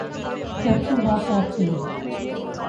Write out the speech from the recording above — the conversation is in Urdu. کیپشن خاص آپ کے لیے